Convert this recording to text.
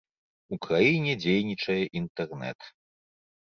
У краіне дзейнічае інтэрнэт.